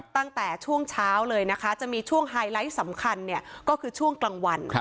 ตั้งแต่ช่วงเช้าเลยนะคะจะมีช่วงไฮไลท์สำคัญก็คือช่วงกลางวัน